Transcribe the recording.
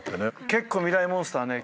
結構『ミライ☆モンスター』ね